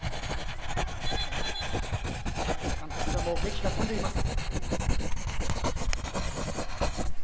池田監督からもげきが飛んでいます。